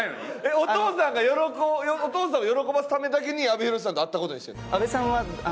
お父さんがお父さんを喜ばすためだけに阿部寛さんと会った事にしてるの？